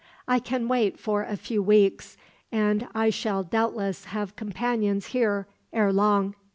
I can wait for a few weeks, and I shall doubtless have companions here, ere long."